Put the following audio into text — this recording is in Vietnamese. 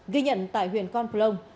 ghi nhận tại huyện con plong